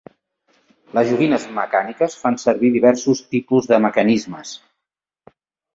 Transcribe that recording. Les joguines mecàniques fan servir diversos tipus de mecanismes.